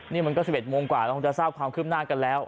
นี่มันก็๑๑โมงกว่าเราคงจะทราบความคืบหน้ากันแล้ว